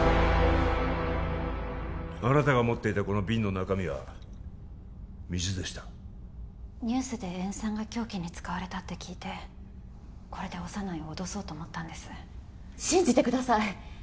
あなたが持っていたこの瓶の中身は水でしたニュースで塩酸が凶器に使われたって聞いてこれで小山内を脅そうと思ったんです信じてください